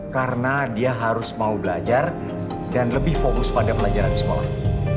karena dia harus mau belajar dan lebih fokus pada pelajaran di sekolah